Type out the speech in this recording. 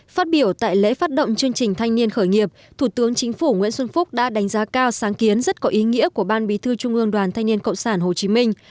phát biểu tại lễ phát động chương trình thanh niên khởi nghiệp thủ tướng chính phủ nguyễn xuân phúc đã đánh giá cao sáng kiến rất có ý nghĩa của ban bí thư trung ương đoàn thanh niên cộng sản hồ chí minh